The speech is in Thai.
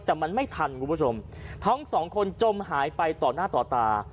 แต่มันไม่ทันคุณผู้ชมทั้งสองคนจมหายไปต่อหน้าต่อตา